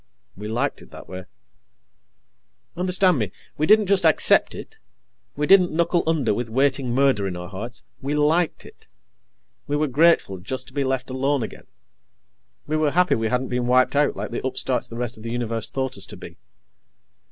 We liked it that way. Understand me we didn't accept it, we didn't knuckle under with waiting murder in our hearts we liked it. We were grateful just to be left alone again. We were happy we hadn't been wiped out like the upstarts the rest of the Universe thought us to be.